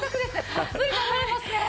たっぷり食べられますね。